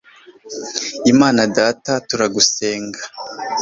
imana data, turagusenga